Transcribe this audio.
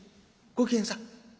ご機嫌さん」。